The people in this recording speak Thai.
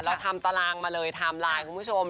เราทำตารางมาเลยไทม์ไลน์คุณผู้ชม